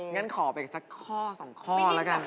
งั้นขอไปอีกสักข้อสองข้อแล้วกัน